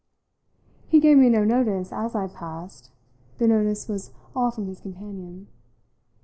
He gave me no notice as I passed; the notice was all from his companion.